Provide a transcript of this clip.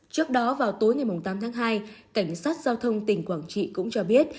trước đó vào tối ngày tám tháng hai cảnh sát giao thông tỉnh quảng trị cũng cho biết